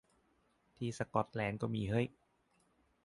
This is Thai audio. ที่สก๊อตแลนด์ก็มีเห้ย